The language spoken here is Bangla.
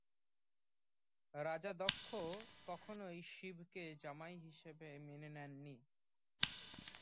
রাজা দক্ষ কখনই শিবকে জামাই হিসেবে মেনে নেননি।